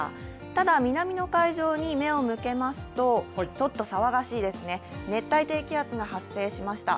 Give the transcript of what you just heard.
ただ、南の海上に目を向けますと、ちょっと騒がしいですね、熱帯低気圧が発生しました。